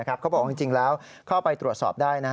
เขาบอกว่าจริงแล้วเข้าไปตรวจสอบได้